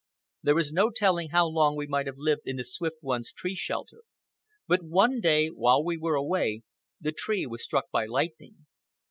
There is no telling how long we might have lived in the Swift One's tree shelter. But one day, while we were away, the tree was struck by lightning.